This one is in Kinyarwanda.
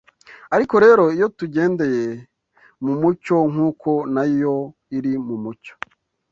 ariko rero iyo tugendeye mu mucyo nk’uko na Yo iri mu mucyo